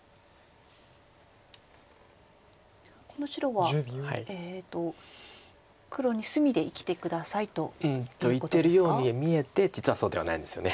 この白は黒に隅で生きて下さいと。と言ってるように見えて実はそうではないんですよね。